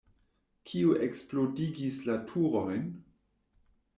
Kiu eksplodigis la turojn?